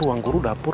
ruang guru dapur